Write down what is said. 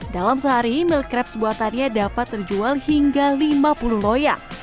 dalam sehari meal crabs buatannya dapat terjual hingga lima puluh loyang